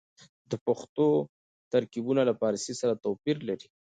د پښتو ترکيبونه له فارسي سره توپير لري.